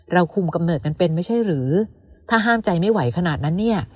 คุมกำเนิดกันเป็นไม่ใช่หรือถ้าห้ามใจไม่ไหวขนาดนั้นเนี่ย